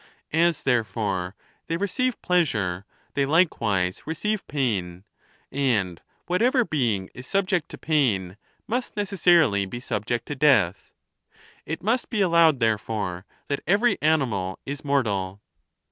As, therefore, they receive pleas ure, they likewise receive pain; and whatever being is subject to pain must necessarily be subject to death. It must be allowed, therefore, that every animal is mortal.